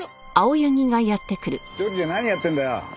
一人で何やってんだよ？